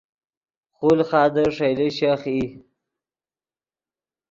خولخادے ݰئیلے شیخ ای